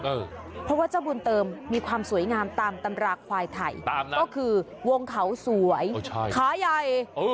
เออเพราะว่าเจ้าบุญเติมมีความสวยงามตามตำรากควายไทยตามนั้นก็คือวงเขาสวยอ๋อใช่ขาใหญ่เออ